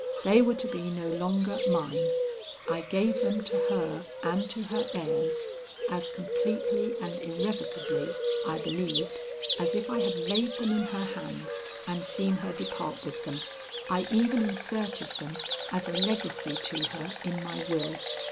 They were to be no longer mine. I gave them to her and to her heirs as completely and irrevocably, I believed, as if I had laid them in her hand and seen her depart with them. I even inserted them as a legacy to her in my will.